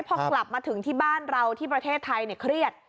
พอกลับมาถึงที่บ้านเราที่ประเทศไทยเครียด